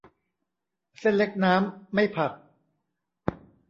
เส้นเล็กน้ำ ไม่ผัก